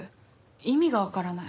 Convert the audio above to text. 意味がわからない。